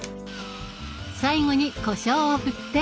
最後にこしょうを振って。